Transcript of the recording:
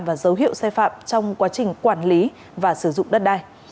và dấu hiệu sai phạm trong quá trình quản lý và sử dụng đất đai